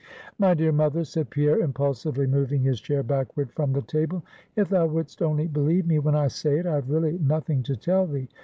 'My dear mother,' said Pierre, impulsively moving his chair backward from the table, 'if thou wouldst only believe me when I say it, I have really nothing to tell thee.